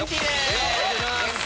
よろしくお願いします！